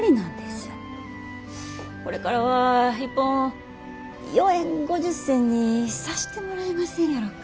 これからは一本４円５０銭にさしてもらえませんやろか。